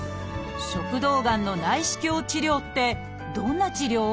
食道がんの内視鏡治療ってどんな治療？